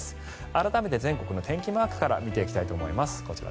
改めて全国の天気マークから見ていきたいと思います。